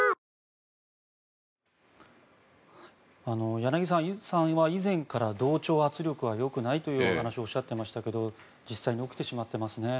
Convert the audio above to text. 柳澤さんは以前から同調圧力はよくないというお話をおっしゃってましたけど実際に起きてしまってますね。